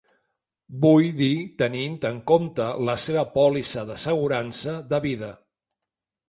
Vull dir tenint en compte la seva pòlissa d'assegurança de vida.